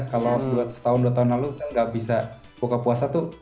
kalau setahun dua tahun lalu kita tidak bisa buka puasa